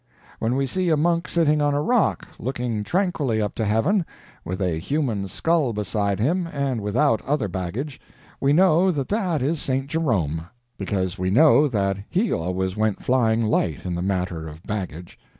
When we see a monk sitting on a rock, looking tranquilly up to heaven, with a human skull beside him, and without other baggage, we know that that is St. Jerome. Because we know that he always went flying light in the matter of baggage.